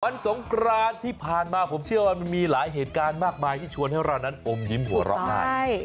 สงกรานที่ผ่านมาผมเชื่อว่ามันมีหลายเหตุการณ์มากมายที่ชวนให้เรานั้นอมยิ้มหัวเราะได้